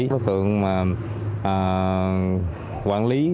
các đối tượng quản lý